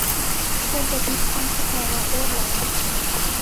มลพิษทางสภาวะแวดล้อม